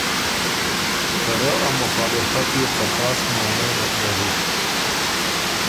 ته رۀ ا مخالفت يې څه خاص معنے نک دری،